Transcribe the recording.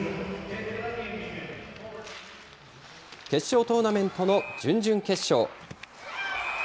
決勝トーナメントの準々決勝。